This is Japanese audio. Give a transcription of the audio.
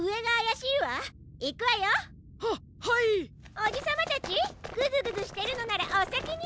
おじさまたちグズグズしてるのならおさきに！